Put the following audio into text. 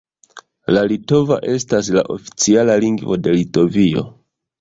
La litova estas la oficiala lingvo de Litovio.